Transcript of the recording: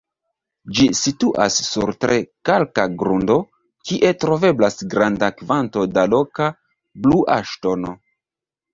Ĝi situas sur tre kalka grundo, kie troveblas granda kvanto da loka "blua ŝtono".